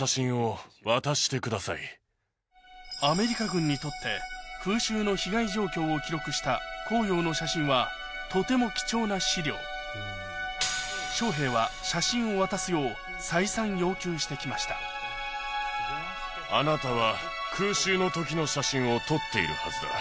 アメリカ軍にとって空襲の被害状況を記録した光陽の写真はとても貴重な資料将兵は写真を渡すよう再三要求してきましたあなたは。